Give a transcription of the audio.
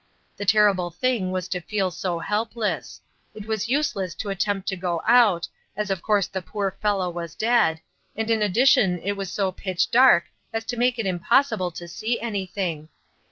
The terrible thing was to feel so helpless; it was useless to attempt to go out, as of course the poor fellow was dead, and in addition it was so pitch dark as to make it impossible to see anything.